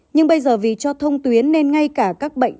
nhưng bây giờ vì cho thông tuyến nên ngay cả các bệnh